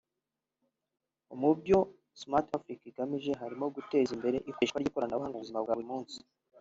Mu byo Smart Africa igamije harimo guteza imbere ikoreshwa ry’ikoranabuhanga mu buzima bwa buri munsi